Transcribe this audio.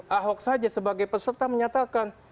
ahok saja sebagai peserta menyatakan